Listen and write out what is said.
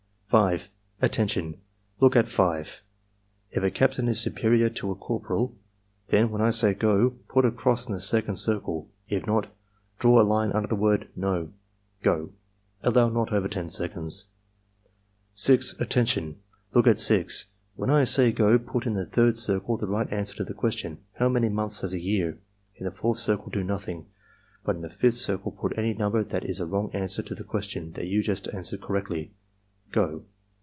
5. "Attention! Look at 5. If a captain is superior to a corporal, then (when I say 'go') put a cross in the second circle; if not, draw a line under the word NO. — Go!" (Allow not over 10 seconds.) 6. "Attention! Look at 6. When I say 'go' put in the third circle the right answer to the question: 'How many months has a year?' In the fourth circle do nothing, but in the fifth circle put any number that is a wrong answer to the question that you just answered correctly. — Go!"